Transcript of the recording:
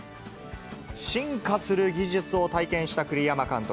進化する技術を体験した栗山監督。